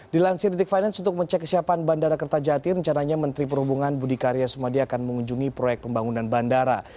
dilansir detik finance untuk mencek kesiapan bandara kertajati rencananya menteri perhubungan budi karya sumadi akan mengunjungi proyek pembangunan bandara